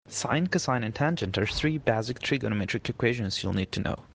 Sine, cosine and tangent are three basic trigonometric equations you'll need to know.